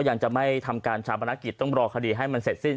ยังจะไม่ทำการชาปนกิจต้องรอคดีให้มันเสร็จสิ้น